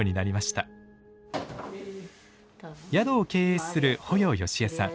宿を経営する保要佳江さん。